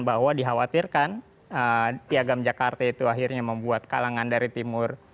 bahwa dikhawatirkan piagam jakarta itu akhirnya membuat kalangan dari timur